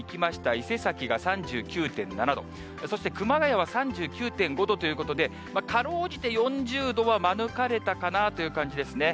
伊勢崎が３９．７度、そして熊谷は３９．５度ということで、かろうじて４０度は免れたかなという感じですね。